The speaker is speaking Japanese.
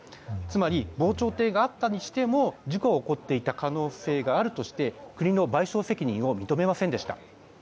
つまり、防潮堤があったにしても事故が起こっていた可能性があるとして国の賠償責任を認めませんでした。